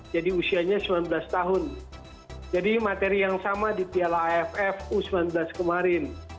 jadi usianya sembilan belas tahun jadi materi yang sama di piala aff u sembilan belas kemarin